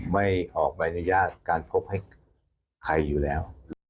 ไม่ออกใบอนุญาตการพบให้ใครอยู่แล้ว